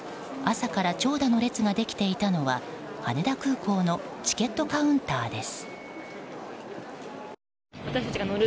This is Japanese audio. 朝から長蛇の列ができていたのは羽田空港のチケットカウンターです。